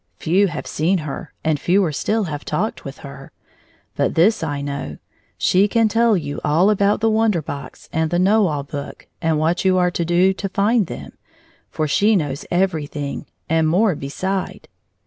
Few have seen her, and fewer still have talked with her. But this I know : she can tell you all about the Wonder Box and the Know All Book, and what you are to do to find them. For she knows everjiihing, and more beside."